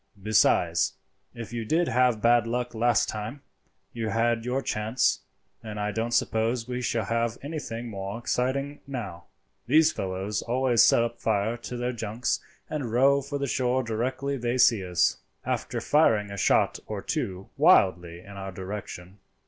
Besides, if you did have bad luck last time, you had your chance, and I don't suppose we shall have anything more exciting now. These fellows always set fire to their junks and row for the shore directly they see us, after firing a shot or two wildly in our direction."